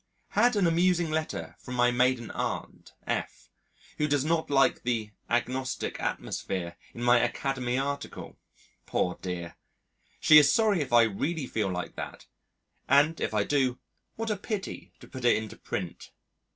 Had an amusing letter from my maiden aunt F , who does not like "the agnostic atmosphere" in my Academy article. Poor dear! She is sorry if I really feel like that, and, if I do, what a pity to put it into print.